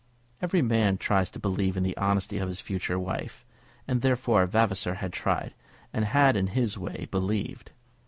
Every man tries to believe in the honesty of his future wife; and, therefore, Vavasor had tried, and had in his way, believed.